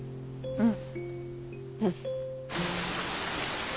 うん。